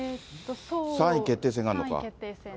３位決定戦があるのか。